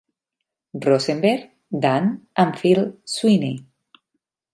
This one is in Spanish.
Rosenberg, Dan and Phil Sweeney.